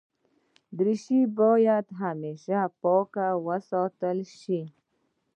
دریشي باید همېشه پاک وساتل شي.